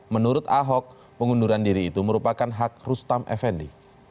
menurut ahok pengunduran diri itu merupakan hak rustam effendi